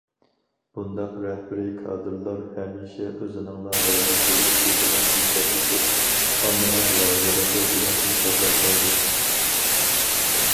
بۇنداق رەھبىرىي كادىرلار ھەمىشە ئۆزىنىڭلا رازى بولۇشى بىلەن ھېسابلىشىپ، ئاممىنىڭ رازىلىقى بىلەن ھېسابلاشمايدۇ.